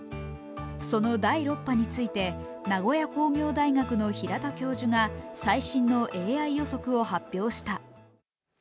その第６波について、名古屋工業大学の平田教授が最新のＡＩ予測を発表した。